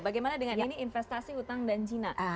bagaimana dengan ini investasi utang dan cina